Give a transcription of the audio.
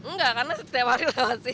nggak karena setiap hari lewat sini